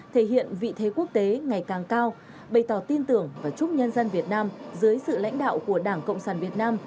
thể hiện vị thế quốc tế ngày càng cao bày tỏ tin tưởng và chúc nhân dân việt nam dưới sự lãnh đạo của đảng cộng sản việt nam